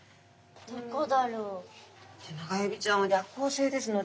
どこだろう。